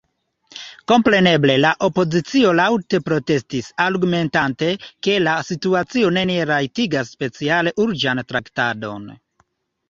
Kompreneble la opozicio laŭte protestis, argumentante, ke la situacio neniel rajtigas speciale urĝan traktadon.